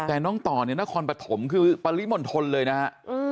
แต่น้องต่อเนี่ยนครปฐมคือปริมณฑลเลยนะฮะ